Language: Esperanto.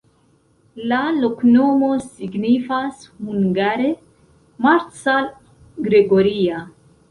La loknomo signifas hungare: Marcal-Gregoria.